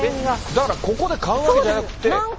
だからここで食べるわけじゃなくて。